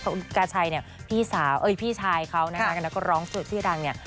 พากาไชน์เนี่ยพี่ชายเขาว่าการเรียนวิ่งแหลกของพี่รังเนี่ย